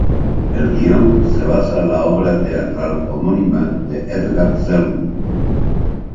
El guion se basa en la obra teatral homónima de Edgar Selwyn.